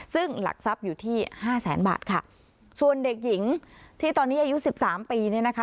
ซึ่งหลักทรัพย์อยู่ที่ห้าแสนบาทค่ะส่วนเด็กหญิงที่ตอนนี้อายุสิบสามปีเนี่ยนะคะ